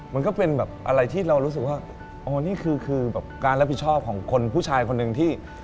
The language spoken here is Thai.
มันก็เป็นแบบอะไรที่เรารู้สึกว่าอ๋อนี่คือคือแบบการรับผิดชอบของคนผู้ชายคนหนึ่งที่